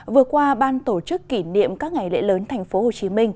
vừa qua ban tổ chức kỷ niệm các ngày lễ lớn thành phố hồ chí minh